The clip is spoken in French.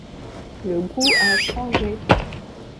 Le goût a changé.